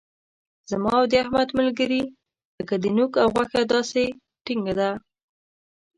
زما او د احمد ملګري لکه نوک او غوښه داسې ټینګه ده.